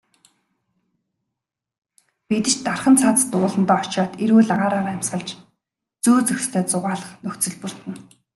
Бид ч дархан цаазат ууландаа очоод эрүүл агаараар амьсгалж, зүй зохистой зугаалах нөхцөл бүрдэнэ.